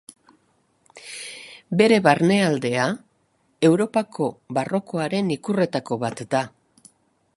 Bere barnealdea Europako barrokoaren ikurretako bat da.